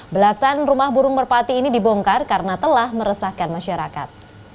belasan rumah burung merpati ini dibongkar karena telah meresahkan masyarakat